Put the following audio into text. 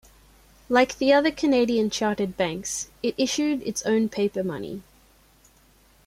Like the other Canadian chartered banks, it issued its own paper money.